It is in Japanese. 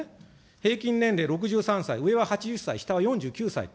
平均年齢６３歳、上は８０歳、下は４９歳。